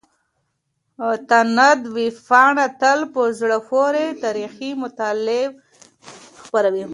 تاند ویبپاڼه تل په زړه پورې تاريخي مطالب خپروي.